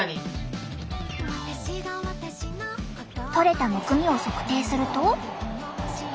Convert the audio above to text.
取れたむくみを測定すると。